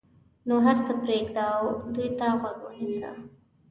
نو هر څه پرېږده او دوی ته غوږ ونیسه.